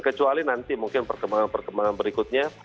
kecuali nanti mungkin perkembangan perkembangan berikutnya